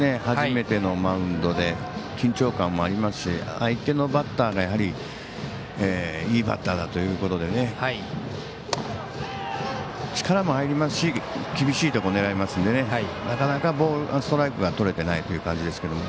初めてのマウンドで緊張感もありますし相手のバッターが、やはりいいバッターだということで力も入りますし厳しいところ狙いますのでなかなかストライクがとれていないというところですが。